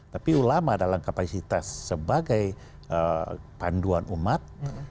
tapi ulama dalam kapasitas sebagai panduan umat